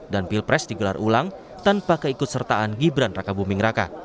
dan pilpres digelar ulang tanpa keikutsertaan gibran raka buming raka